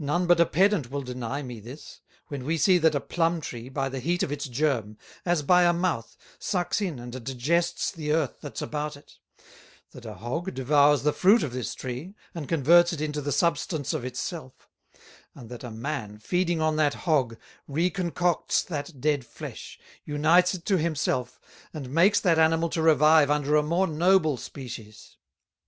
None but a Pedant will deny me this, when we see that a Plumb Tree, by the Heat of its Germ, as by a Mouth, sucks in and digests the Earth that's about it; that a Hog devours the Fruit of this Tree, and converts it into the Substance of it self; and that a Man feeding on that Hog, reconcocts that dead Flesh, unites it to himself, and makes that Animal to revive under a more Noble Species.